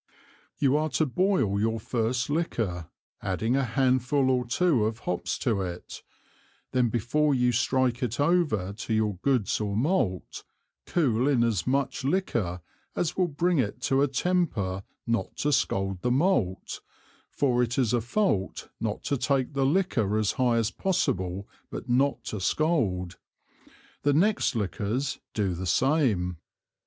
You are to boil your first Liquor, adding a Handful or two of Hops to it, then before you strike it over to your Goods or Malt, cool in as much Liquor, as will bring it to a temper not to scald the Malt, for it is a fault not to take the Liquor as high as possible but not to scald. The next Liquors do the same.